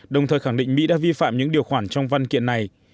đồng thời khẳng định mỹ đã vi phạm những điều khoản trong văn kiện này